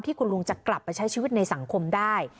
คุณลุงจะกลับไปใช้ชีวิตในสังคมได้